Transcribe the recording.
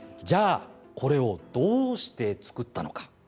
じゃあこれをどうして作ったのか。